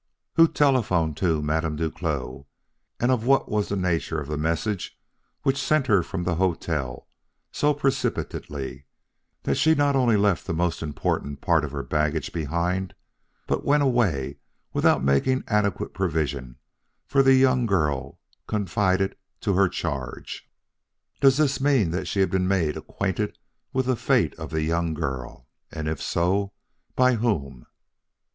"Who telephoned to Madame Duclos; and of what nature was the message which sent her from the hotel so precipitately that she not only left the most important part of her baggage behind but went away without making adequate provision for the young girl confided to her charge? "Does this mean that she had been made acquainted with the fate of the young girl; and if so, by whom?"